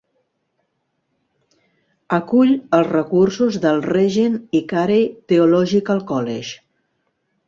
Acull els recursos del Regent i Carey Theological College.